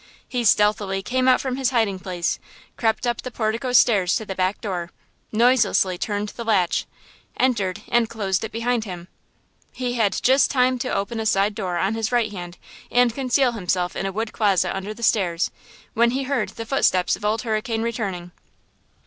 He stealthily came out from his hiding place, crept up the portico stairs to the back door, noiselessly turned the latch, entered and closed it behind him. He had just time to open a side door on his right hand and conceal himself in a wood closet under the stairs, when he heard the footsteps of Old Hurricane returning.